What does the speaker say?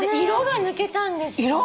色が抜けたんですよ。